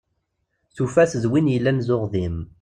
Tufa-t d win yellan d uɣdim.